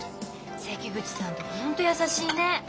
関口さんって本当優しいね。